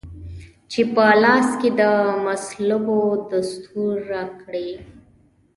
چي په لاس کې د مصلوبو دستور راکړی